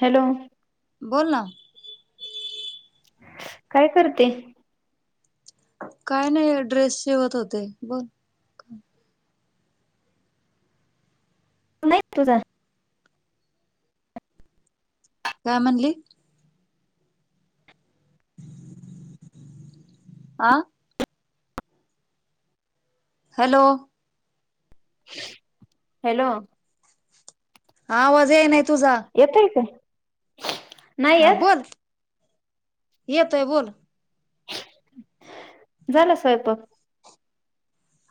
Hello. बोला. काय करते? काय नाही ड्रेस शेवत होते बोल. नाही तुझा? का म्हणली. आा. हॅलो. हॅलो. हावाज ये नाही तुझा हा नाहीयत. बोल येतोय बोल. झालं स्वयंपाक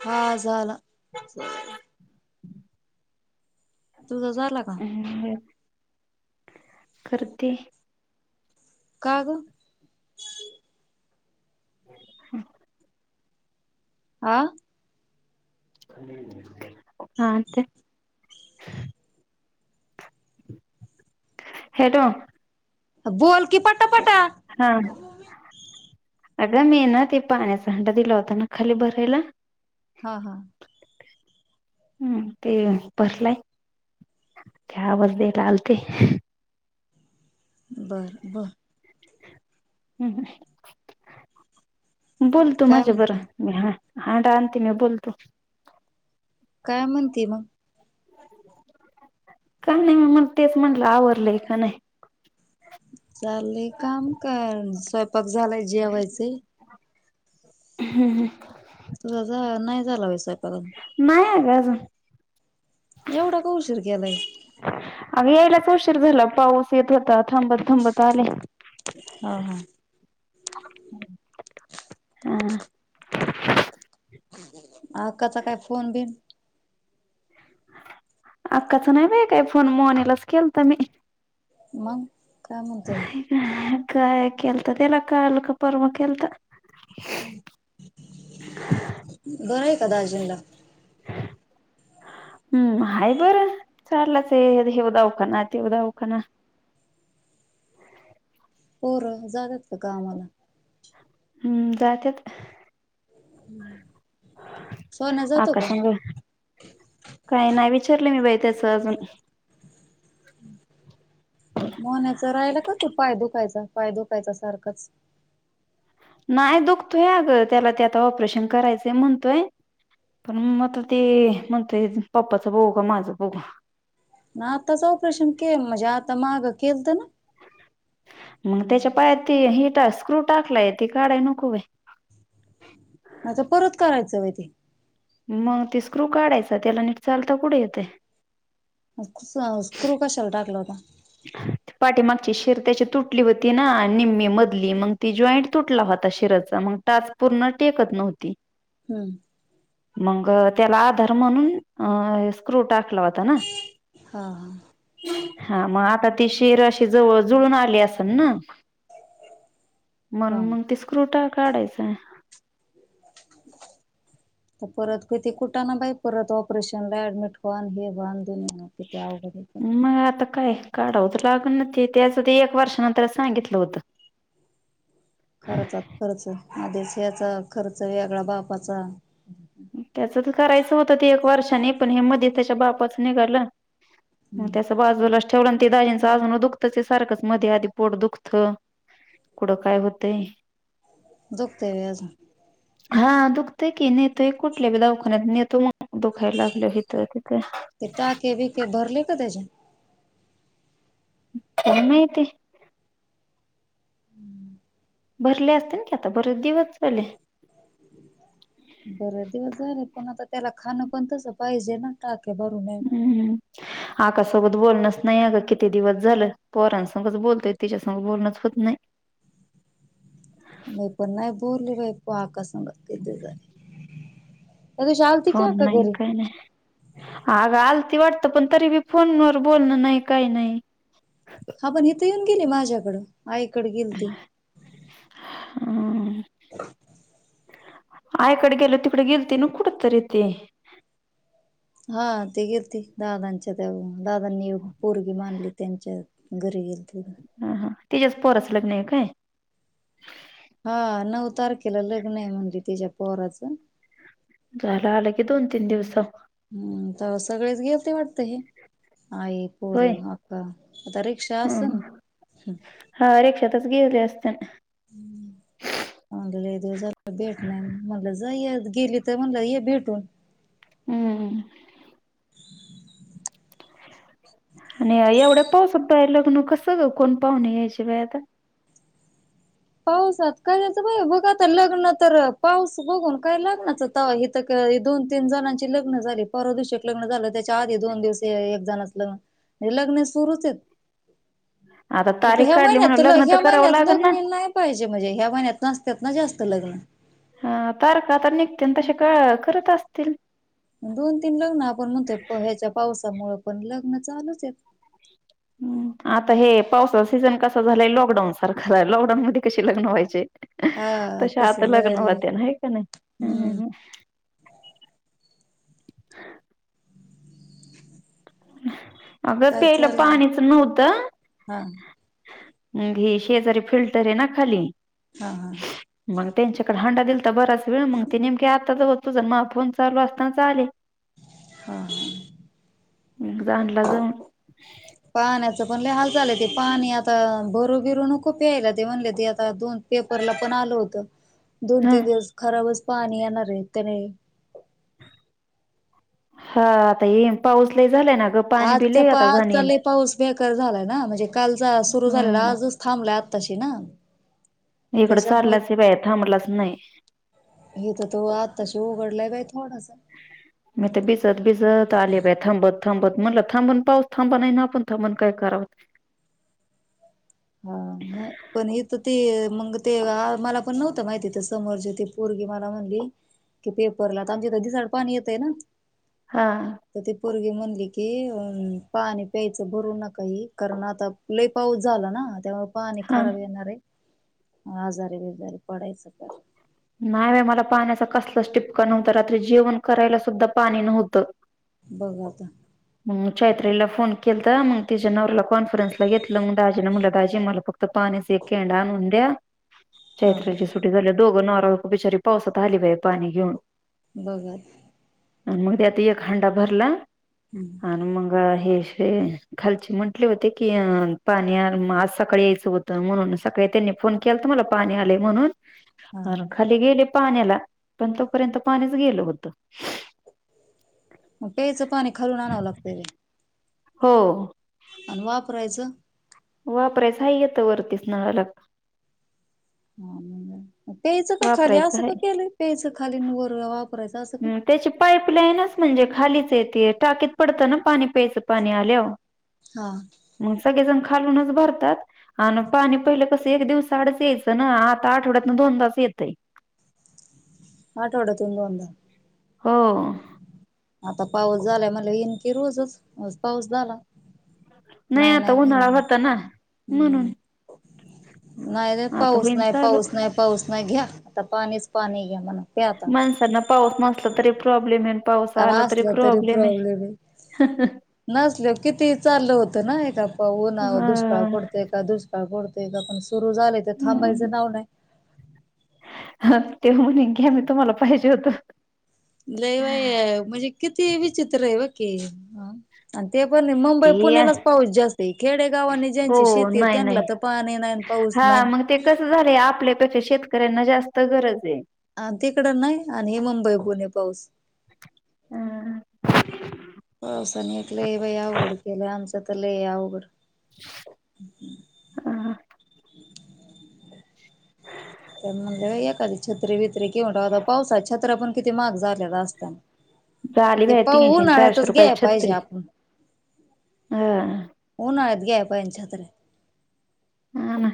हा झाला. तुझ ारला का? हम्म, करते. का? हम. आा. हा ते हेेतो. बोल कि पटा पटा अगड मी ना ते पाण्याचा अंडा दिला होता ना खाली भरायला. हा हा. हम् ते पसलाय. त्या आवाज द लालते. बरं बर. ह् बोलतो काय माझ बर. म्हणते हांड आणते मी बोलतो. काय म्हणते मग का नाही म तेच म्हटलं आवरलंय का नाही. चालले काम कर स्वयंपाक झालाय जेवायचे. हम् ह. तुझा जा नाही झाला विसयपून नाही काझ. एवढा कोशरकला अग यायलाच उशीर झाला पाऊस येत होता थांबत थांबत आले. ह हा. हा अकाचा काय फोन बिन अक्काच नाही बा काय फोन मोनीलाच केल तर मी मग काय म्हणतोय हे. काय खलत त्याला काल का परम खलत. [inaudible] बरं आहे का दाजनला ह हम्म आहे बरं चाललाच आहे हेव दावखाना तेव द उखना ह होर जद तर काला हम्म जातत हम्म हाकास काही नाही विचारलं मी ब त्याचजून मोण्याचं राहिल का तू पाय दुखायचा पाय दुखायचा सारखंच नाही दुखतोय अगं त्याला ते आता ऑपरेशन करायचंय म्हणतोय पण मग आता ते म्हणतय पप्पाच बऊ का माझं बो ना खळत ना मग त्याच्या पायात ती हिटर स्क्रू टाकलाय त काढाय नको [unintelligible] म परत करायचं वय ते मग ते स्क्रू काढायचा त्याला नीट चालता पुढे येतं क्रू कशाला टाकल होता पाठीमागची शिर त्याची तुटली होती ना निम्मी मधली मग ती जॉईंट तुटला होता आता शिरचा मग तास पूर्ण टेकत नव्हती हम्म मग त्याला आधर्मणून अ स्क्रुट हो हा हा मग आता ती शिर अशी ज जुळून आली असेल ना मन हा मग ती स्क्रुटा काढायचाय तर परत किती कुठं ना बाई परत ऑपरेशन ला ऍडमिट करन हे बन ना कि तेव कडे तर काढावत लागण ना ते त्याचं ते एक वर्षानंतर सांगितलं होत खर्चात खर्च आदेश याचा खर्च वेगळा बापाचा प म त्याच्या बाच निघा हम्म त्याजला चव ते दाजीं अजून दुखतच सारखंच मध्ये आधी पोट दुखतं कुढं काय होतंय झकते वयाज हा दुखतय की नेतोय कुठले दवाखान्यात नेतो मग दुखायला लागल हथं तिथे ते टाके बिके भरले का त्याचे चमयती भरले असते की आता बर दिवस झाले बर दिवस झाले पण आता त्याला खाणं पण तस पाहिजे ना टाक हम्म हम्म हकासोबत बोलणंच नाही अगं किती दिवस झालं पोरांसमच बोलतोय तिच्यासमत बोलणच होत नाही [unintelligible] वप आकाश इ फोन नाही काही नाही आगाल वाटत पण तरी मी फोन व बोलणं नाही काही नाही हा पण इथे येऊन गेली माझ्याकडं आईकडे गेल ती ह [unintelligible] [unintelligible] आयकडे गेलो त कडे गिलतीन कुडत र ते हा ते गेल त दादांच्या त्या दादांनी पोरगी मानली त्यांच्या घरी गेल हा हा तिच्यास पोराच लग्न आहे काय हा नऊ तारखेला लग्न आहे म्हणली तिच्या पोहराचं झाला आलं की दोन तीन दिवस हम्म तर सगळेच घेवते वाटत हे आई पोर होय अक्का आता रिक्षा हा अस ना हा रिक्षातच गेले असते ला दिवस भेट नाही मणला जाई गेली तर म्हणला हे भेटून हम्म आणि एवढ्या पाहसद्धा आहे लग्न कसं कोण पाहुून यायच्या बाय आता पाऊसात काययचं बा बघा आता लग्न तर पाऊस बघून काय लग्नाचंता इथं दोन तीन जणांची लग्न झाली पर दिवशी एक लग्न झालं त्याच्या आधी दोन दिवस एक जणच लग्न हे लग्न सुरूच आहेत आता हो तारीख ह्या काढली महिन्यात म्हणून ल लग्न तर ह्या करावं महिन्यात लागल लग् ना मि नाही म्हणे ह्या महिन्यात नसत्यात ना जास्त लग्न हा तर का तर निघते तसे का करत असतील दोन तीन लग्न आपण म्हणतोय प ह्याच्या पावसामुळं पण लग्न चालूच आहेत हम्म आता हे पावसाचा सीझन कस झालंय लॉकडाऊन सारखा लॉकडाऊन मध्ये कशी लग्न व्हायचे हा तश आता तसंच लग्न व्हायलय होत्या ना आहे का नाही हम्म हम् हा अगं काय पेलं चाललंय पाणीच नव्हतं हा मी शेजारी फिल्टर आहे ना खाली हा हा. मग त्यांच्याकडे हंड आता बराच वेळ मग ते नेमके आताच होतोच मग फोन चालू असतानाच आले हा ह म जाला जाऊन पाण्याचं पण हालचाल ते पाणी आता भरू बिरू नको प्यायला ते म्हणले ते आता दोन पेपरला पण ल होत दोन हा तीन दिवस खराबच पाणी येणार आहे त्याने हा आता ये पाऊसला झालाय ना ग पाणी बिले आता घणी बकार झालाय ना म्हणजे कालचा सुरू झालेला हम्म आजच थांबलाय आताशी ना इकडं त्याच्यामुळ चाललाच बाया थांबलाच नाही हे तर तो आत्ताश उघडलाय बा थोडास म ते भिजत भिजत आले बथ ब थांबत म्हटलं थांबून पाऊस थांबत नाही ना आपण थांबून काय करावत हा नाही पण इथ ती मग ते मला पण नव्हतं माहिती तर समोरचे त पोरगी मला म्हणली कि पेपरला तर आमच्या दिसाड पाणी येते ना हा तर ती पोरगी म्हणली की अ पाणी प्यायचं भरून नकाही कारण आता लय पाऊस झाला ना त्यामुळे पाणी हा खराब येणारे आजारी बिजारीे पडायचं कार नाही बा मला पाण्याचा कसलच टिपकां नव्हतं रात्री जेवण करायला सुद्धा पाणी नव्हतं बघलता मग चैत्रीला फोन केलता मग तिच्या नवरला कॉन्फरन्सला घेतलं मग दाजीं म्हटलं दाजी मला फक्त पाण्या खेंडा नं्या हा चैत्र्याची सुटी झाल्या दोघ बिचारी पावसात आली वय पाणी घऊन बघल आणि मग ते आता एक हंडा भरला हम्म आणि मग हे खालचे म्हंटले होते की पाण्या आज सकाळी यायचं होत म्हणून सकाळी त्यांनी फोन केला तर मला पाणी आले म्हणून हा अ खाली गेले पाण्याला पण तोपर्यंत पाणीच गेल होत मग प्यायचं पाणी खालून आणावं लागत ते हो आणि वापरायचं वापरायच येत वरतीच नाळालाग हा पेयच का खाली वापरायचं असं का केलं पेयचं खाली वर वापरायचं असं का हम् त्याची पाईप आपल्यानच म्हणजे खालीच येते टाकीत पडत ना पाणी प्यायचं पाणी आल्यावर. हा मग सगळे जण खालूनच भरतात आणि पाणी पहिलं कस एक दिवसा आड यायचं ना आता आठवड्यात दोनदाच येतं [inaudible] आठवडयातून दोनदा हो आता पाऊस झालाय म्हणलयावर एनकी रोजच मंच पाऊस झाला. नाही आता उन्हाळा होता ना हम्म म्हणून नाही रे आता पाऊस होईन नाही चालू पाऊस नाही पाऊस नाही घ्या आता पाणीच पाणी घ्या म्हणा. प्या आता माणसांना पाऊस नसला तरी प्रॉब्लेम ये अन असलं तरी प्रॉब्लेम ये आहे नसले वर किती चालल होत. ना एक आप ऊन दुष्काळ हा पडतेय का दुष्काळ पडतेय का पण सुरू झाले तर थांबायचं नाव नाही. तेव म्हणे घ्या आम्ही तुम्हाला पाहिजे होत लई बा म्हणजे किती विचित्र ये बककी आणि ते पण मुंबई ते पुण्यालाच पाऊस जास्त खेडेगावानी हो ज्यांची शेती नाही त्यांना नाही तर पाणी नाही पाऊस हा नाही मग ते कसं झालं आपल्यापेक्षा शेतकऱ्यांना जास्त गरज ये. ह तिकड नाही आणि हे मुंबई पुुणे पाऊस अ अ पण एक ल आहे बा या उघड केलं आमचं तर ल या अवघड ह त्या म्हणजले एखादी छत्री बित्री कऊनता पावसाात छत्रा पण किती महाग झालेला असतना झाली ते बाई पाह तीनशे चारशे उन्हाळ्यातच ग्या रुपयाला पाहिजे छत्री आपण ह उन्हाळ्यात घ्यायला पाहिजे छत्र्या हा ना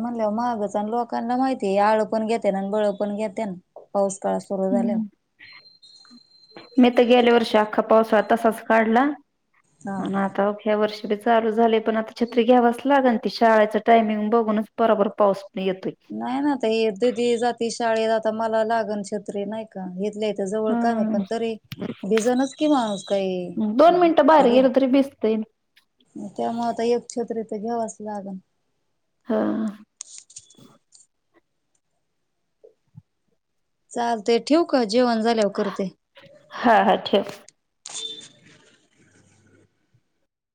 म्हणलं महागच आणि लोकांना माहितीय आळ पण घेते ना आणि बळं पण घेते ना पाऊस काळ सुरू झाल्या मी तर गेले वर्षी अख्खा पाऊस तसाच काढला हा आणि आता हया वर्षी छ चालू झाले पण आता छत्री घ्यावाच लागल ती शाळेचं टायमिंग बघूनच बरोबर पाऊस येतोय. नाही ना ददी जाती शाळे जात मला लागन छत्री नाही का हेतले जवळ काम आहे हा पण तरी भिजेलच कि माणूस काय दोन मिनिटं बाहेर खर ये. गेलं तरी भिजतंय. त्यामुळे आता एक छत्री तर घ्यावाच लागल. हा चालते ठेवू का जेवण झाल्यावर करते. हा हा ठेव.